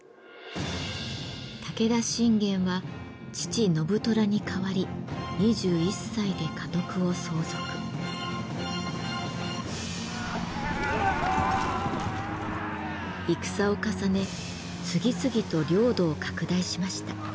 武田信玄は父信虎に代わり戦を重ね次々と領土を拡大しました。